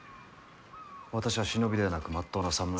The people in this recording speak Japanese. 私は忍びではなくまっとうなさむら。